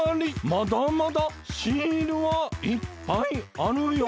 まだまだシールはいっぱいあるよ。